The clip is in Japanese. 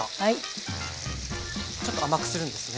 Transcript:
ちょっと甘くするんですね。